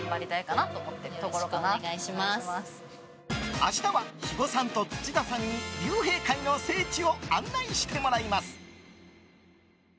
明日は肥後さんと土田さんに竜平会の聖地を案内してもらいます。